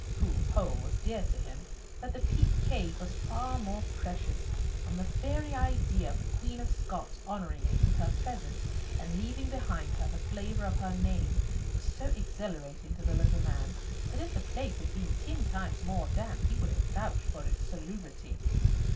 Pool's Hole was dear to him, but the Peak Cave was far more precious, and the very idea of the Queen of Scots honouring it with her presence, and leaving behind her the flavour of her name, was so exhilarating to the little man that if the place had been ten times more damp he would have vouched for its salubrity.